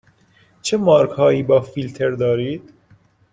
چه مارک هایی با فیلتر دارید؟